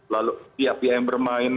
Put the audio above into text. lalu tiap tiap yang bermain